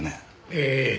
ええ。